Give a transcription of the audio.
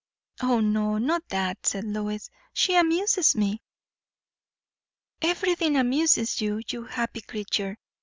"O no, not that," said Lois. "She amuses me." "Everything amuses you, you happy creature!